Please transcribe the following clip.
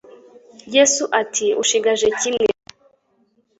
Yesu ati: « Ushigaje kimwe!